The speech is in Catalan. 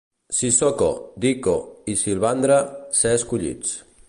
Sissoko, Dicko i Silvandre ser escollits.